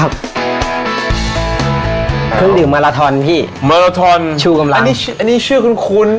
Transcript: เครื่องดื่มมาลาทอนพี่มาลาทอนชูกำลังอันนี้อันนี้ชื่อคุ้น